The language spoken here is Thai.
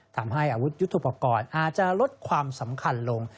ทำให้อาวุธยุทธุปกรณ์อาจจะลดความสำคัญลง